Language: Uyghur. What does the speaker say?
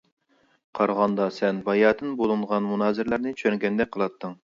قارىغاندا سەن باياتىن بولۇنغان مۇنازىرىلەرنى چۈشەنگەندەك قىلاتتىڭ.